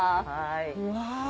うわ！